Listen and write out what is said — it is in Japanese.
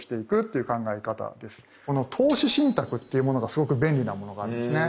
この投資信託っていうものがすごく便利なものがあるんですね。